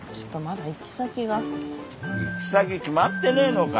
行き先決まってねえのか？